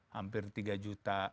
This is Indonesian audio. hampir tiga juta